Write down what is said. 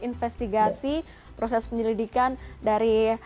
investigasi proses penyelidikan dari